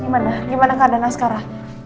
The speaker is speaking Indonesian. gimana gimana keadaan askara